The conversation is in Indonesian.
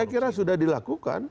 saya kira sudah dilakukan